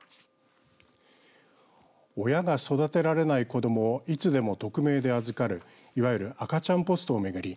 親が育てられない子どもをいつでも匿名で預かるいわゆる赤ちゃんポストを巡り